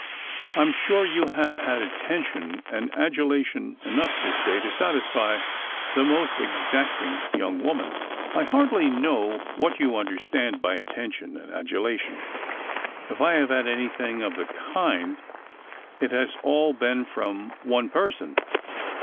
" I'm sure you have had attention and adulation enough this day to satisfy the most exacting young woman." " I hardly know what you understand by attention and adula tion. If I have had anything of the kind, it has all been from one person.